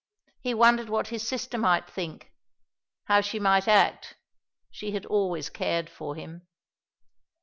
He wondered what his sister might think, how she might act.... She had always cared for him.